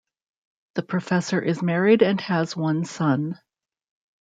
The professor is married and has one son.